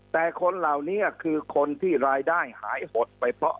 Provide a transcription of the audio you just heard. แต่คนเหล่านี้คือคนที่รายได้หายหดไปเพราะ